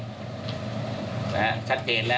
นะครับชัดเจนแล้ว